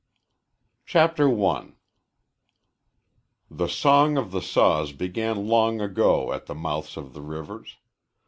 SILAS STRONG I THE song of the saws began long ago at the mouths of the rivers.